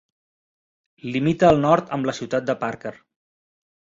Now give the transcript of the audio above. Limita al nord amb la ciutat de Parker.